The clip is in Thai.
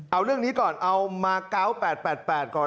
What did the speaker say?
เอาเรื่องนี้ก่อนเอามา๙๘๘ก่อน